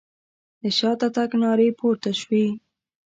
د شاته تګ نارې پورته شوې.